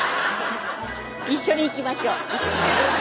一緒に行きましょう。